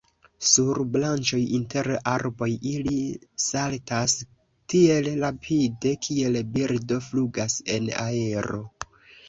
Sur branĉoj inter arboj ili saltas tiel rapide kiel birdo flugas en aero.